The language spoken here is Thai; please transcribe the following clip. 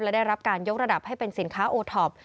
และได้รับการยกระดับให้เป็นสินค้าโอท็อป